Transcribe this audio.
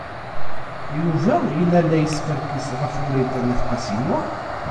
Yuba yella la yeskerkis ɣef Wrida n At Qasi Muḥ?